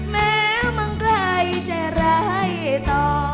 แม้มันใกล้จะร้ายต่อ